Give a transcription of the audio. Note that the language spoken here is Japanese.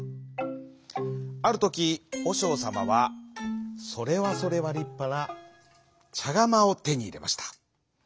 あるときおしょうさまはそれはそれはりっぱなちゃがまをてにいれました。